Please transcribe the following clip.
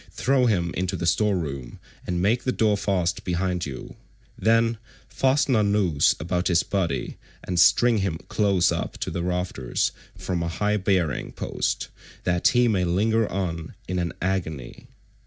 Throw him into the store room and make the door fast behind you; then fasten a noose about his body, and string him close up to the rafters from a high bearing post,172 that he may linger on in an agony."